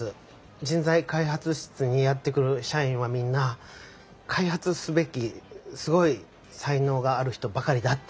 人材開発室にやって来る社員はみんな開発すべきすごい才能がある人ばかりだって。